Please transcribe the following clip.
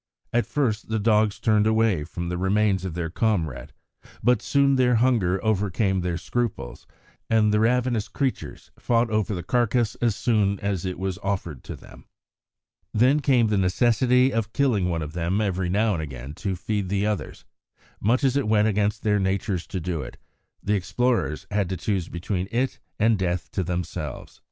At first the dogs turned away from the remains of their comrade, but soon their hunger overcame their scruples, and the ravenous creatures fought over the carcase as soon as it was offered to them. Then came the necessity of killing one of them every now and again to feed the others; much as it went against their natures to do it, the explorers had to choose between it and death to themselves.